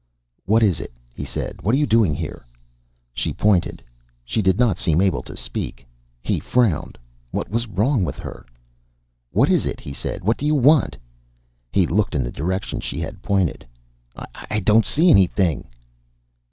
"What is it?" he said. "What are you doing here?" She pointed. She did not seem able to speak. He frowned; what was wrong with her? "What is it?" he said. "What do you want?" He looked in the direction she had pointed. "I don't see anything."